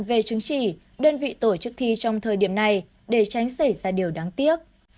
thi trong thời điểm này để tránh xảy ra điều đáng tiếc